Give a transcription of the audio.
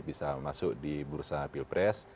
bisa masuk di bursa pilpres